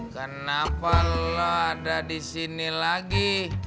kenapa la ada di sini lagi